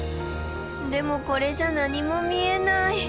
でもこれじゃ何も見えない。